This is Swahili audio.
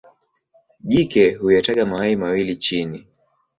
Jike huyataga mayai mawili chini.